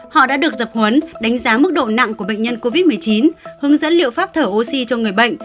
họ đã được tập huấn đánh giá mức độ nặng của bệnh nhân covid một mươi chín hướng dẫn liệu pháp thở oxy cho người bệnh